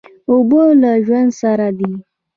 اوبه له ژوند سره دي.